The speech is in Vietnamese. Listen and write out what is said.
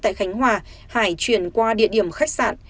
tại khánh hòa hải chuyển qua địa điểm khách sạn